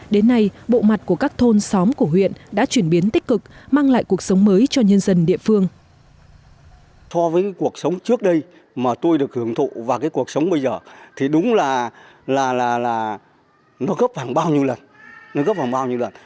đến nay bộ mặt của các thôn xóm của huyện đã chuyển biến tích cực mang lại cuộc sống mới cho nhân dân địa phương